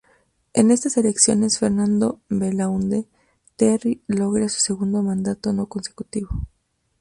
En estas elecciones, Fernando Belaúnde Terry logra su segundo mandato no consecutivo.